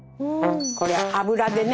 これは油でね